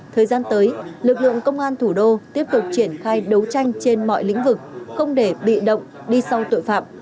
thời gian tới lực lượng công an thủ đô tiếp tục triển khai đấu tranh trên mọi lĩnh vực không để bị động đi sau tội phạm